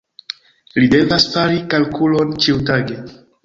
Li devas fari kalkulon ĉiutage.